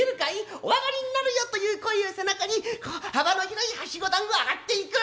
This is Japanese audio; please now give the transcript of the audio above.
『お上がりになるよ』という声を背中に幅の広いはしご段を上がっていく」。